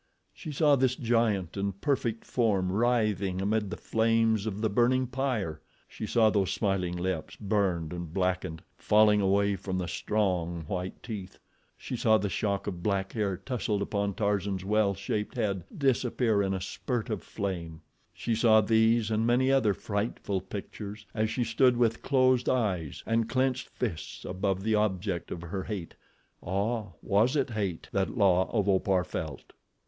She saw this giant and perfect form writhing amid the flames of the burning pyre. She saw those smiling lips, burned and blackened, falling away from the strong, white teeth. She saw the shock of black hair tousled upon Tarzan's well shaped head disappear in a spurt of flame. She saw these and many other frightful pictures as she stood with closed eyes and clenched fists above the object of her hate—ah! was it hate that La of Opar felt?